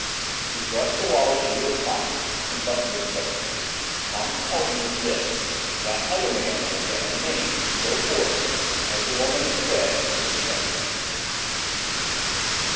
He thrust the wallet into his pocket and buttoned his coat. Thomas Elton was dead; and that other man, as yet unnamed, should go forth, as the woman had said, into the sunshine.